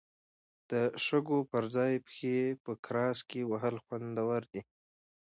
د شګو پر ځای پښې په ګراس کې وهل خوندور دي.